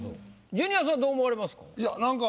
ジュニアさんどう思われますか？